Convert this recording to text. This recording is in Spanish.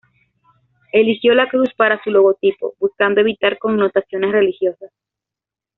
Eligió la cruz para su logotipo, buscando evitar connotaciones religiosas.